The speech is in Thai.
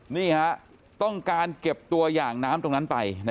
นี่ฮะต้องการเก็บตัวอย่างน้ำตรงนั้นไป